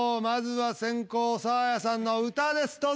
まずは先攻サーヤさんの歌です。